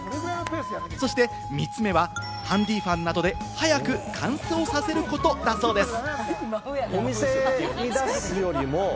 そして３つ目はハンディファンなどで早く乾燥させることだそうです。